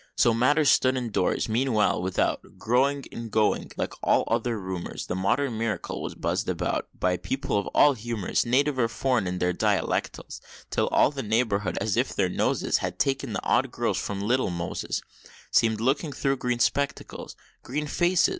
So matters stood in doors meanwhile without, Growing in going like all other rumors, The modern miracle was buzz'd about, By people of all humors, Native or foreign in their dialecticals; Till all the neighborhood, as if their noses Had taken the odd gross from little Moses, Seemed looking thro' green spectacles. "Green faces!"